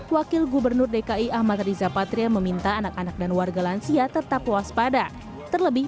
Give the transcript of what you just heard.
wakil gubernur dki ahmad riza patria meminta anak anak dan warga lansia tetap waspada terlebih